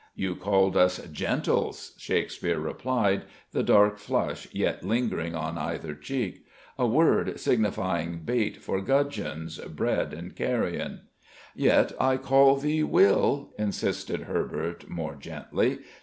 "You called us 'gentles,'" Shakespeare replied, the dark flush yet lingering on either cheek. "A word signifying bait for gudgeons, bred in carrion." "Yet I called thee Will," insisted Herbert more gently.